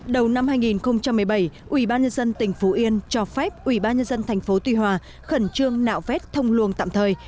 đầu năm hai nghìn một mươi bảy ubnd tỉnh phú yên cho phép ubnd thành phố tuy hòa khẩn trương nạo vét thông luồng tạm thời